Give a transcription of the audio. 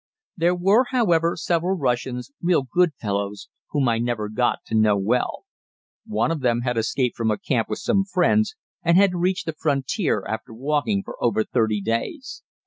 There were, however, several Russians, real good fellows, whom I never got to know well. One of them had escaped from a camp with some friends, and had reached the frontier after walking for over thirty days.